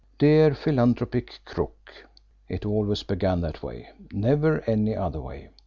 "Dear Philanthropic Crook" it always began that way, never any other way.